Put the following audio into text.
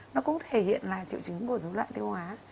nó cũng thể hiện là triệu chứng của dối loạn tiêu hóa